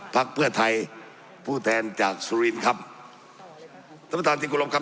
ภาคเพื่อไทยผู้แทนจากครับท่านประธานจริงกรมครับ